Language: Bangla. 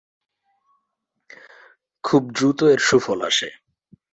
খুব দ্রুত এর সুফল আসে।